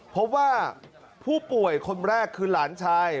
พบว่าผู้ป่วยคนแรกคือหลานชาย